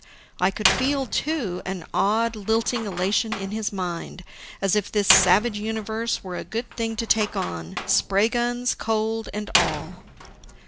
I could feel, too, an odd, lilting elation in his mind, as if this savage universe were a good thing to take on spray guns, cold, and all.